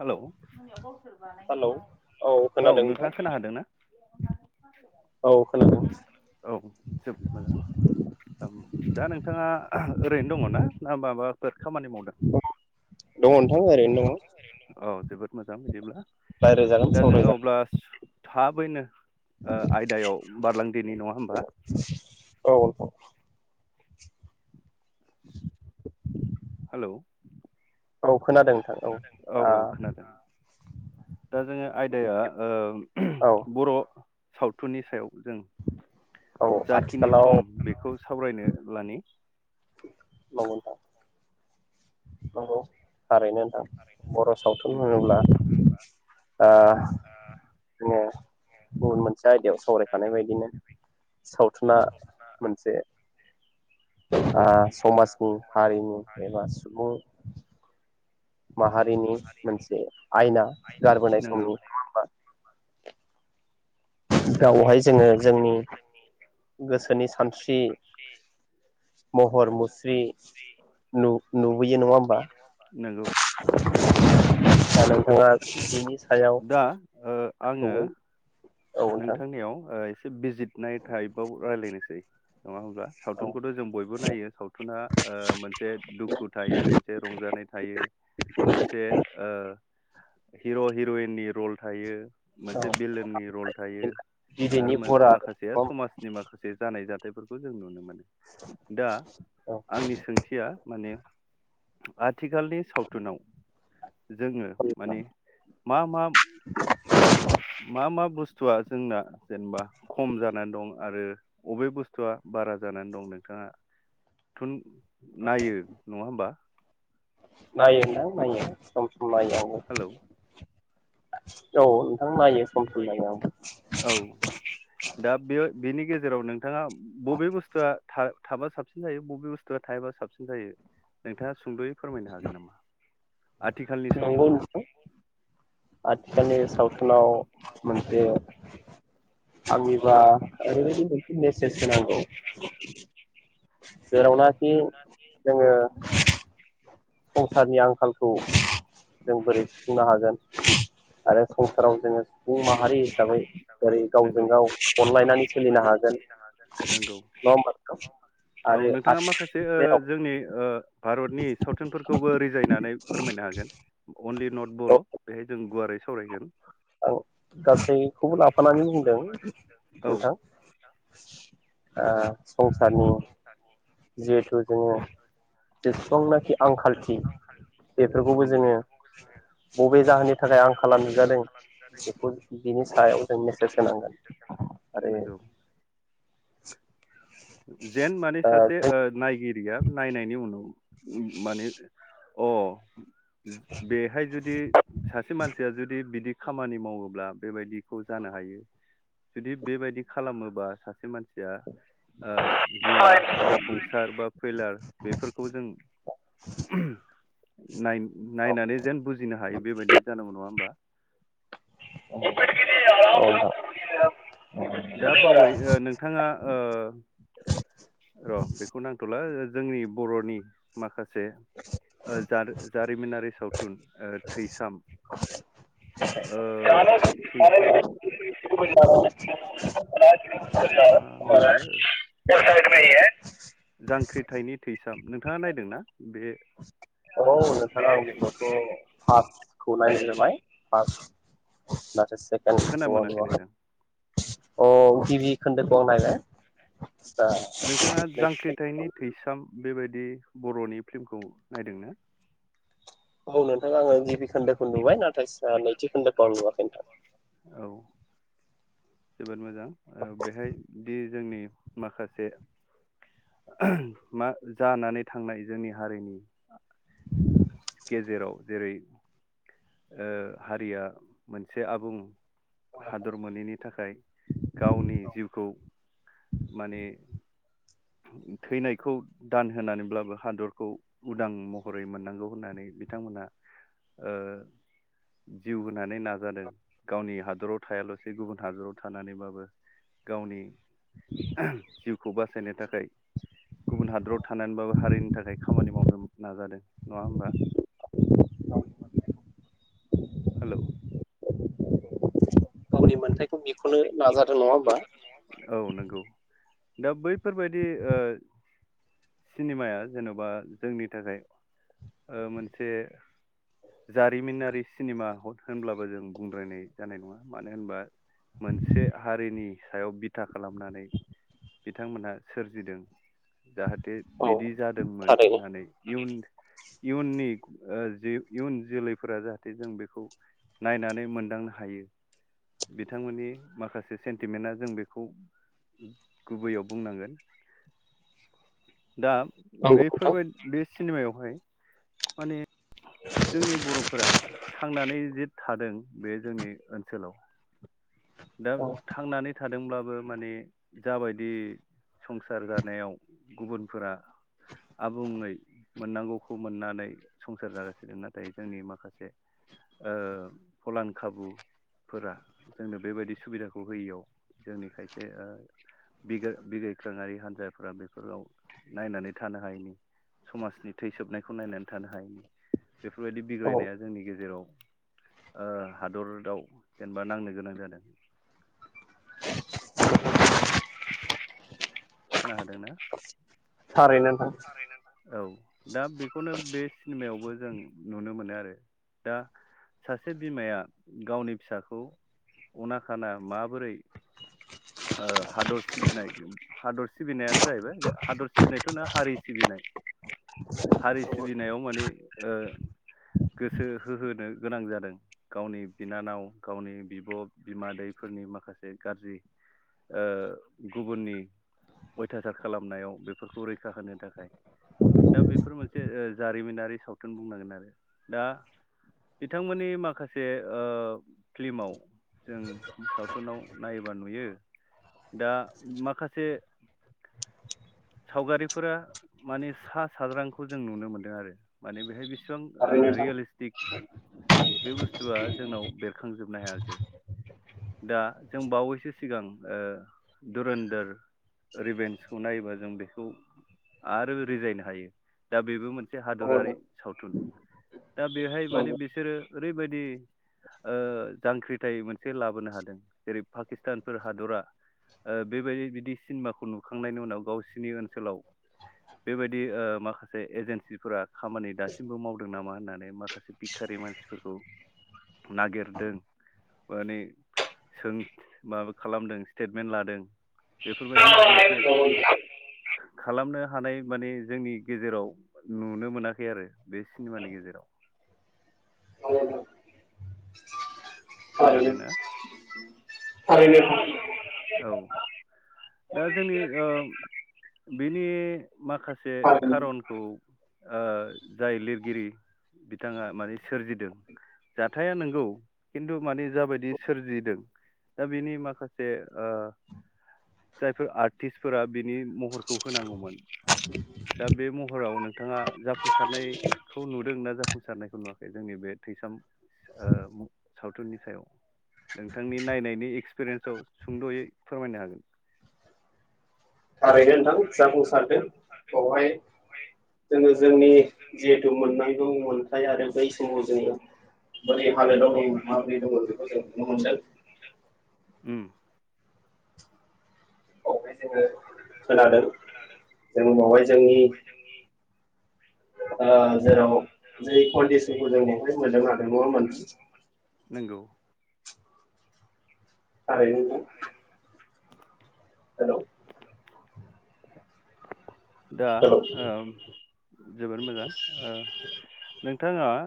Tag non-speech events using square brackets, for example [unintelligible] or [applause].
Hello औ hello औ खोनादों नोंथां नोंथाङा खोना हादोंना [unintelligible] औ खोनादों औ जोबोद मोजां [unintelligible] औ दा नोंथाङा ओरैनो दङना ना माबाफोर खामानि मावदों दङ दङ ओरैनो अ जोबोत मोजां बिदिब्ला। रायलाय जागोन दा सावराय जोङो अब्ला जागोन थाबैनो ओ आयदायाव बारलांदोनि नङा होमबा। औ नोंथां हेलौ औ खोनादों औ खोनादों औ औ खोनादों। दा जोङो आयदाया ओ औ बर' सावथुननि सायाव जों जाखिनि आथिखालाव सम बेखौ सावरायनो [unintelligible] [inaudible] नंगौ थारैनो नोंथां बर' सावथुन होनोब्ला ओ जोंङो गुबुन मोनसे दा आयदायाव सावरायखानाय बायदिनो सावथुना मोनसे ओ समाजनि हारिनि एबा सुबुं माहारिनि मोनसे आयना गारबोनाय नंगौ समनि नङा होमबा गावहाय जोङो जोंनि गोसोनि सानस्रि महर मुस्रि नु-नुबोयो नङा होमबा नंगौ दा नोंथाङा बिनि सायाव दा ओ आङो सौयै औ नोंथां नोंथांनियाव ओ एसे बिजिरनाय थायोबाव रायलायनोसै नङा हब्ला औ सावथुनखौथ जों बयबो नायो सावथुना ओ मोनसे दुखु थायो मोनसे रंजानाय थायो मोनसे ओ हिर' हिरइननि रल थायो औ मोनसे बिलोननि रल बियो आरो बिदैनि मोन भरा माखासेया औ समाजनि माखासे जा नाय जाथायफोरखौ जों नुनो मोनो। दा आंनि सोंथिया माने आथिखालनि सावथुनाव जोङो माने मा मा मा मा बुस स्थुआ जोंना जेनेबा खम जानानै दं आरो बबे बुस्थुआ बारा जानानै दं नोंथाङा थुन नायो नङा होनबा नायो नोंथां नायो सम स मायाव। हेलौ औ फोरमायो सम सम नायाव औ जेराव नों नोंथाङा बबे बुस्थुआ था-थाबा साबसिन जायो बबे बुस्थुआ थायाबा साबसिन जायो नोंथाङा सुंदयै फोरमायनो हागोन नामा? आथिखालनि नंगौ सावथुनाव नोंथां आथिखालनि सावथुनाव मोनसे आंनिबा ओरैबायदि मोनसे मेसेज होनांगौ जेरावनाखि जोङो संसारनि आंखालखौ जों बोरै सुफुंनो हागोन आरो संसाराव जोङो सुबुं माहारि हिसाबै जेरै गावजों नंगौ गाव अनलायनानै सोलिनो हागोन नंगौ नङा होमबा नोंथां? औ आरो नोंथाङा आथि माखासे ओ [unintelligible] फोरखौबो रिजायनानै फोरमायनो हागोन अनलि नट बर' बेहाय जों गुवारै सावरायगोन आं गासैखौबो लाफानानै बुंदों औ नोंथां। ओ संसारनि औ सार औ जिहेथु जोङो बेेसेबांनाखि आंखालथि बेफोरखौबो नंगौ जोङो बबे जाहोननि थाखाय आंखाला नुजादों बेखौ बिनि सायाव जों मेसेज होनांगोन आरो नंगौ लांदां जेन माने सासे ओ नायगिरिया नायनायनि उनाव माने अ बेहाय जुदि सासे मानसिया जुदि बिदि खामानि मावोब्ला बेबायदिखौ जानो हायो जुदि बेबायदि खालामोबा सासे मान या ओ जिउआव जाफुंसार बा फैलार बेफोरखौ जों नाय नायनानै जेन बुजिनो हायो बेबायदि जानांगौ नङा होमबा? [unintelligible] दा बावै नोंथां ओ नोंथाङा ओ र' बेखौ नांथ'ला जोंनि बर'नि माखासे जे ओ जा-जारिमिनारि साव थुन ओ थैसाम ओ थै-थैसाम [unintelligible] [unintelligible] मामोन बेयो [unintelligible] जांख्रिथायनि थै [unintelligible] नोंथाङा नायदोंना बे [unintelligible] खौ नायनाय जाबाय फास खोना सेकेन्दखौ आं मोनाखै नुवाखै नोंथां अ गिबि खोन्दोखौ आं नायबाय दा नोंथाङा नैथि खोन्दो जांख्रिथायनि थैसाम बेबायदि दि बर'नि फिल्मखौ नायदोंना? औ नोंथां आङो गिबि खोन्दोखौ नुबाय नाथाय से ओ नैथि खोन्दोखौ आं नुवाखै [unintelligible] औ। जोबोद मोजां ओ बेहाय दि जोंनि माखासे मा जानानै थांनाय जोंनि हारिनि गेजेराव जेरै ओ हारिया मोनसे आबुं हादर मोनैनि थाखाय गावनि जिउखौ माने थैनायखौ दान होनानैब्लाबो हादरखौ उदां महरै मोननांगौ होननानै बिथांमोनहा ओ जिउ होननानै नाजादों गावनि हा हादराव थायालासे गुबुन हादराव थानानैबाबो गावनि ओ जिउ खौबो [unintelligible] थाखाय गुबुन हादराव थानानैबाबो हारिनि थाखाय खामानि मावनो नाजादों नङा होमबा हेल'। गावनि मोन्थाइ थ' बेखौनो नाजादों नङा होमबा? नंगौ दा बैफोर बायदि ओ सिनेमाया जेनबा जोंनि थाखाय ओ मोनसे जारिमिनारि सिनेमा हद होनब्लाबो जों बुंद्रायनाय जानाय नङा। मानो होनबा मोनसे हारिनि सायाव बिथा खालामनानै बिथांमोनहा सोरजिदों जाहाथे औ बिदि जादोंमोन थारैनो होननानै इयुन इयुननि ओ इयुन जोलैफोरा जाहाथे जों बेखौ नायनानै मोनदांनो हायो बिथांमोननि माखासे सेन्टिमेन्टआ जों बेखौ गुबैयाव बुंनांगोन दा नंगौ नोंथां बेफोरबायदि बे सिनेमायावहाय माने जोंनि बरफोरा थांनानै जे थादों बे जोंनि ओनसोलाव दा औ थांनानै थादोंब्लाबो माने जाबायदि संसार जानायाव गुबुनफोरा आबुङै मोननांगौखौ मोननानै संसार जागासिनो नाथाय जोंनि माखासे ओ फलान खाबुफोरा जोंनो बेबायदि सुबिदाखौ होयियाव जोंनि खायसे ओ बिगा बिग्राइखाङारि हान्जाफ्रा बेफोराव नायनानै थानो हायैनि समाजनि थैसोबनायखौ नायनानै थानो हायैनि बे बेफोरबायदि औ बिग्रायनाया जोंनि गेजेराव ओ हादरदाव जेनेबा नांनो गोनां जादों खोना हादोंना? थारैनो नोंथां औ दा बेखौनो बे सिनेमायावबो जों नुनो मोनो आरो दा सासे बिमाया गावनि फिसाखौ अना खाना माबोरै अ हादर सिबिनाय हादर सिबिनायानो जाहैबाय हादर सिबिनायथ नङा हारि सिबिनाय हारि सिबिनायाव माने ओ गोसो होहोनो गोनां जादों गावनि बिनानाव गावनि बिब बिमादैफोरनि माखासे गाज्रि ओ गुबुननि अयथासार खालामनायाव बेफोरखौ रैखा होनो थाखाय दा बेफोर मोनसे ओ जारिमिनारि सावथुन बुंनांगोन आरो दा बिथांमोननि माखासे ओ फिल्माव जों सावथुनाव नायोब फोर नुयो दा माखासे सावगारिफोरा माने सा साज्रांखौ जों नुनो मोनदों आरो माने बेहाय बिस सों ओ थारैनो रियलिस्क बे बुस्थुआ जोंनाव बेरखांजोबनो हायासै दा जों बावै सिगां दुरन्दार रिभेन्सखौ नायोबा जों बेखौ आरो रिजायनो हायो दा बेबो मोनसे हादरारि सावथुन दा बेहाय माने बिसोरो ओरैबायदि अ जांख्रिथाय मोनसे लाबोनो हादों जेरै पाकिस भुटानफोर हादरा बेबायदि बिदि सिनेमाखौ नुखांनायनि उनाव गावसिनि ओनसोलाव बेबायदि माखासे एजेन्सिफोरा खामानि दासिमबो मावदों नामा होननानै माखासे बिखारि मानसिफोरखौ नागिरदों माने सों माबा खालामदों स्टेटमेन्ट लादों बेफोरबायदि मोनसे खालामनो हानाय माने जोंनि गेजेराव नुनो मोनाखै आरो बे सिनेमानि गेजेराव नोंथां खोना हादोंना थारैनो थारैनो औ दा जोंनि ओ बिनि माखासे खारनखौ ओ जाय लिरगिरि बिथाङा माने सोरजिदों जाथाया नंगौ खिन्थु माने जाबायदि सोरजिदों दा बिनि माखासे जायफोर आर्टिस्टफोरा बिनि महरखौ होनांगौमोन दा बे महराव नोंथाङा जाफुंसारनायखौ नुदों ना जाफुंसारनायखौ नुवाखै जोंनि बे थैसाम सावथुननि सायाव नोंथांनि नायनायनि एक्सपिरियेन्सआव सुंद'यै फोरमायनो हागोन। थारैनो नोंथां जाफुंसारदों बेवहाय जोङो जोंनि जिहेथु मोननांगौ मोनथाय आरो बै [unintelligible] माने [unintelligible] उम [unintelligible] खोनादों जों बेवहाय जोंनि अ जेराव जै कन्डसनखौ जों बावहाय मोनदां हादों नङा मोनदों नंगौ [unintelligible] हेलौ दा हेलौ ओ जोबोर मोजां ओ नों [unintelligible]